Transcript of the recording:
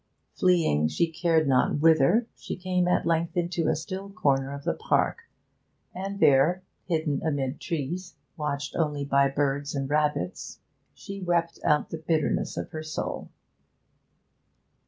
Fleeing she cared not whither, she came at length into a still corner of the park, and there, hidden amid trees, watched only by birds and rabbits, she wept out the bitterness of her soul.